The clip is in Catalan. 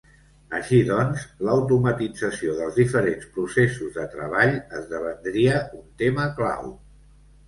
Així doncs, l'automatització dels diferents processos de treball esdevendria un tema clau.